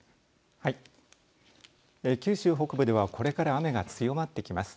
九州北部ではこれから雨が強まってきます。